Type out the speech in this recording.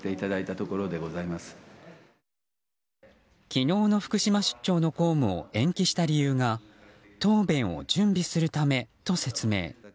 昨日の福島出張の公務を延期した理由が答弁を準備するためと説明。